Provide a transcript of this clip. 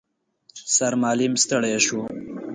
سرمعلم ستړی شو.